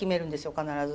必ず。